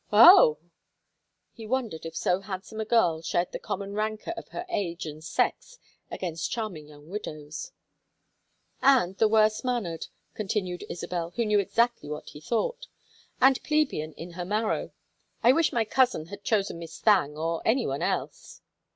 "Oh!" He wondered if so handsome a girl shared the common rancor of her age and sex against charming young widows. "And the worst mannered," continued Isabel, who knew exactly what he thought. "And plebeian in her marrow. I wish my cousin had chosen Miss Thangue or any one else."